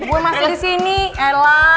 gue masih di sini ella